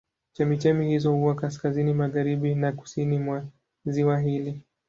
Chemchemi hizo huwa kaskazini magharibi na kusini mwa ziwa hili.